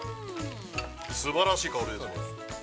すばらしい香りですよ。